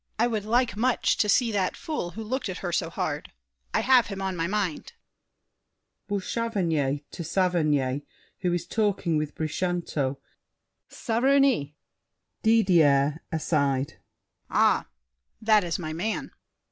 I would like much To see that fool who looked at her so hard. I have him on my mind. BOUCHAVANNES (to Saverny, who is talking with Brichanteau). Saverny! DIDIER (aside). Ah, That is my man!